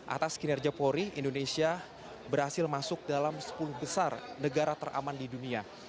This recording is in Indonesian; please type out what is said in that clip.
atas kinerja polri indonesia berhasil masuk dalam sepuluh besar negara teraman di dunia